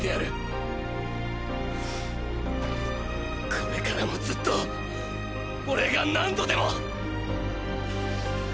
これからもずっとオレが何度でも。